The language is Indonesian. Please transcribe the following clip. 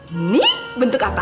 ini bentuk apa